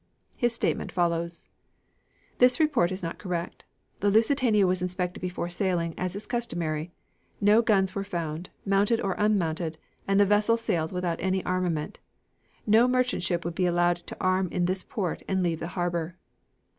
His statement follows: "This report is not correct. The Lusitania was inspected before sailing, as is customary. No guns were found, mounted or unmounted, and the vessel sailed without any armament. No merchant ship would be allowed to arm in this port and leave the harbor."